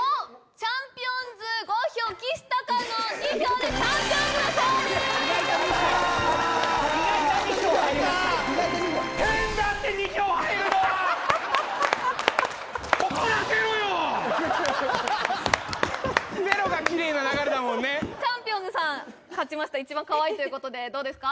ちゃんぴおんずさん勝ちました一番かわいいということでどうですか？